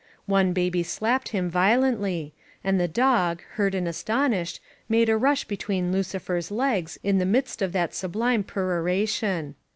One baby slapped him violently, and the dog, hurt and astonished, made a rush between Lucifer^s legs in the midst of that sublime peroration.